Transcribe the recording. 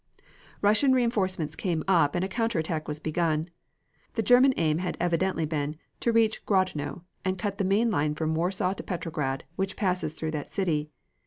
Russian reinforcements came up, and a counter attack was begun. The German aim had evidently been to reach Grodno and cut the main line from Warsaw to Petrograd, which passes through that city.